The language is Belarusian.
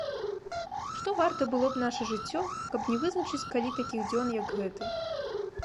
Што варта было б наша жыццё, каб не вызначыць калі такіх дзён, як гэты.